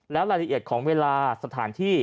แล้วรายละเอียดของเวลาสถานที่